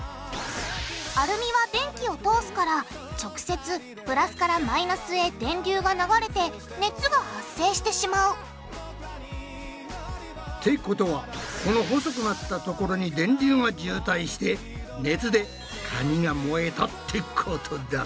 アルミは電気を通すから直接プラスからマイナスへ電流が流れて熱が発生してしまうってことはこの細くなったところに電流が渋滞して熱で紙が燃えたってことだな。